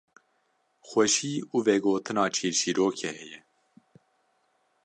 xweşî û vegotina çîrçîrokê heye